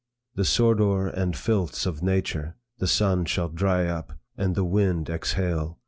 The sordor and filths of nature, the sun shall dry up, and the wind exhale.